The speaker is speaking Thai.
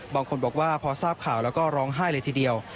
บางคนบอกว่าพอทราบข่าวแล้วก็ร้องไห้เลยทีเดียว